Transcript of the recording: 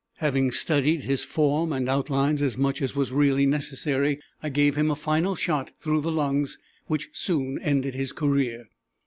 Having studied his form and outlines as much as was really necessary, I gave him a final shot through the lungs, which soon ended his career.